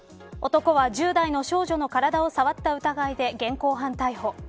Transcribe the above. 男は、１０代の少女の体を触った疑いで現行犯逮捕。